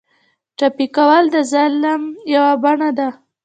ټپي کول د ظلم یوه بڼه ده.